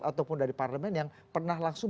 ataupun dari parlemen yang pernah langsung